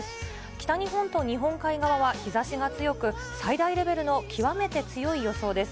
北日本と日本海側は日ざしが強く、最大レベルの極めて強い予想です。